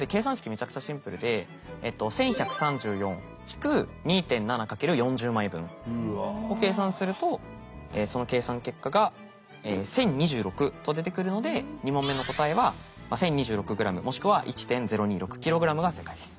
めちゃくちゃシンプルでえっとを計算するとその計算結果が１，０２６と出てくるので２問目の答えは１，０２６ｇもしくは１．０２６ｋｇが正解です。